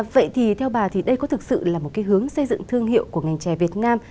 vậy thì theo bà đây có thực sự là một hướng xây dựng thương hiệu của ngành trè việt nam